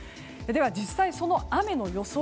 では実際、その雨の予想